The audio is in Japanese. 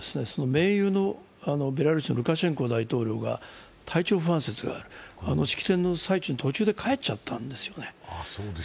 盟友のベラルーシのルカシェンコ大統領が体調不安説がある、式典の途中で帰っちゃったんですよね。